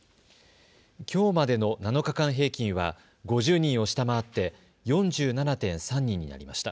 きょうまでの７日間平均は５０人を下回って４７．３人になりました。